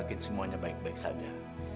apa kamu yakin semuanya baik baik saja